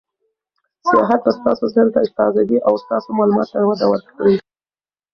سیاحت به ستاسو ذهن ته تازه ګي او ستاسو معلوماتو ته وده ورکړي.